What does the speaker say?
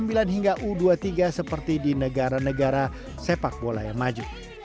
pssi harus menggelar kompetisi usia muda dari tingkat u sembilan hingga u dua puluh tiga seperti di negara negara sepak bola yang maju